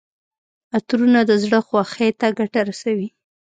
عطرونه د زړه خوښۍ ته ګټه رسوي.